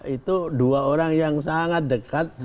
itu dua orang yang sangat dekat